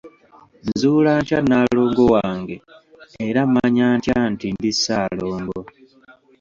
Nzuula ntya Nnaalongo wange era mmanya ntya nti ndi Ssaalongo?